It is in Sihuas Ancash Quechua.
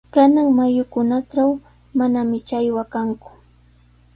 Kanan mayukunatraw mananami challwa kanku.